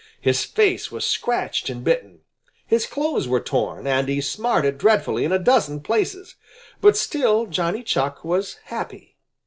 His face was scratched and bitten. His clothes were torn, and he smarted dreadfully in a dozen places. But still Johnny Chuck was happy.